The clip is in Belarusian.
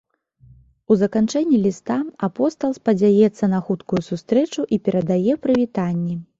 У заканчэнні ліста апостал спадзяецца на хуткую сустрэчу і перадае прывітанні.